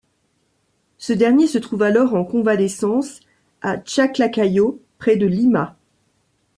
Ce dernier se trouve alors en convalescence à Chaclacayo, près de Lima.